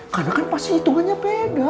karena kan pasti hitungannya beda